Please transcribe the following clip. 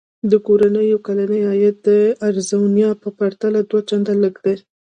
د کورنیو کلنی عاید د اریزونا په پرتله دوه چنده لږ دی.